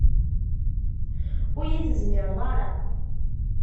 Ur yi-tezmireḍ ara